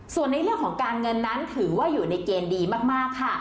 ส่วนในเรื่องของการเงินนั้นถือว่าอยู่ในเกณฑ์ดีมากค่ะ